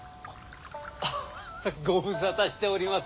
アハッご無沙汰しております。